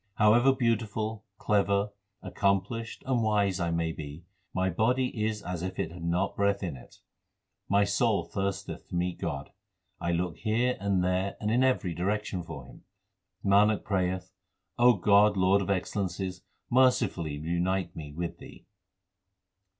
However beautiful, clever, accomplished, and wise I may be, my body is as if it had not breath in it. My soul thirsteth to meet God, I look here and there and in every direction for Him. Nanak prayeth, O God Lord of excellences, mercifully unite me with Thee.